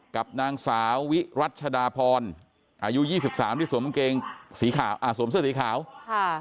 กับนางสาววิรัชดาพรอายุยี่สิบสามที่สวมกางเกงสีขาวอ่าสวมเสื้อสีขาวค่ะ